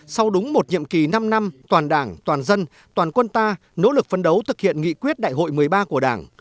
sau đúng một nhiệm kỳ năm năm toàn đảng toàn dân toàn quân ta nỗ lực phân đấu thực hiện nghị quyết đại hội một mươi ba của đảng